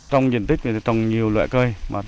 trong diện tích này thì trồng nhiều loại cây